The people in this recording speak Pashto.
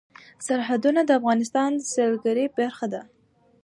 سرحدونه د افغانستان د سیلګرۍ برخه ده.